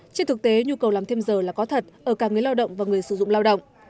trên thực tế nhu cầu làm thêm giờ là có thật ở cả người lao động và người sử dụng lao động